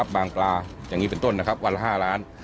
บางปลาอย่างนี้เป็นต้นนะครับวันละ๕ล้าน